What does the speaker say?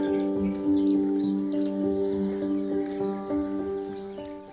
tidak ada yang bisa dikawal